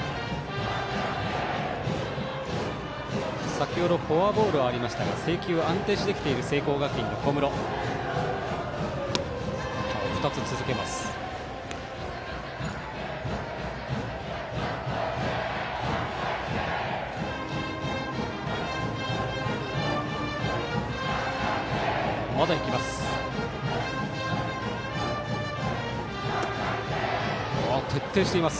先程フォアボールはありましたが制球が安定してきている聖光学院の小室。徹底しています。